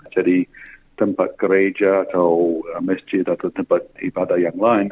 jadi tempat gereja atau masjid atau tempat ibadah yang lain